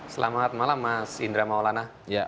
selamat malam mas indra maulana